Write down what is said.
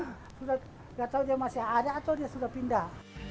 gak tau dia masih ada atau dia sudah pindah